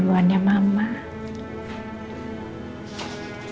aduh jangan masak gue